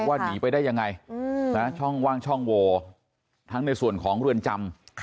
หนีไปได้ยังไงช่องว่างช่องโวทั้งในส่วนของเรือนจำ